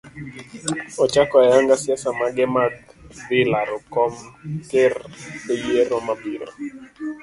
Ochako ayanga siasa mage mag dhi laro kom ker eyiero mabiro.